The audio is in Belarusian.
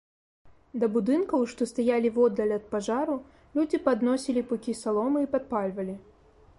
Да будынкаў, што стаялі воддаль ад пажару, людзі падносілі пукі саломы і падпальвалі.